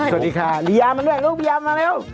สวัสดีค่ะลียามาด้วยลูกภรรยามาเร็ว